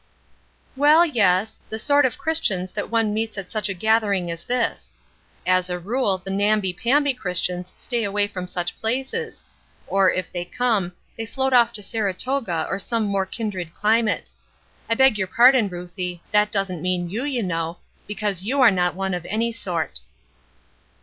"Well, yes; the sort of Christians that one meets at such a gathering as this. As a rule, the namby pamby Christians stay away from such places; or, if they come, they float off to Saratoga or some more kindred climate. I beg your pardon, Ruthie, that doesn't mean you, you know, because you are not one of any sort."